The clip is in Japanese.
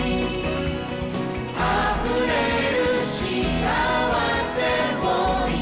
「あふれる幸せを祈るよ」